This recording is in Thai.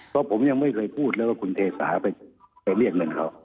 เพราะผมยังไม่เคยพูดเลยว่าคุณเทสาไปเรียกเงินเขา